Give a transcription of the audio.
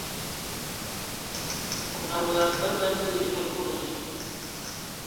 Awɔla afe bɛn dili a mod nyi.